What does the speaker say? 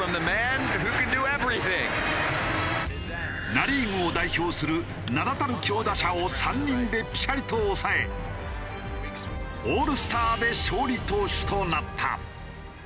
ナ・リーグを代表する名だたる強打者を３人でピシャリと抑えオールスターで勝利投手となった。